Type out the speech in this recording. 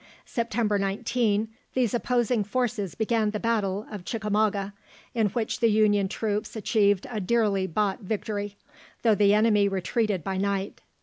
September 19, these opposing forces began the battle of Chicamauga, in which the Union troops achieved a dearly bought victory, though the enemy retreated by night.